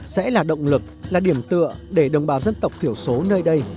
sẽ là động lực là điểm tựa để đồng bào dân tộc thiểu số nơi đây